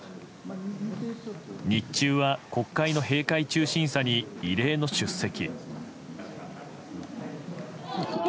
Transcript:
日中は国会の閉会中審査に異例の出席。